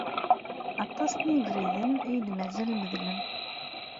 Aṭas n yebriden ay d-mazal medlen.